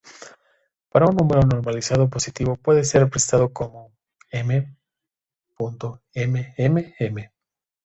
Para un número normalizado positivo puede ser representado como "m"."m""m""m"...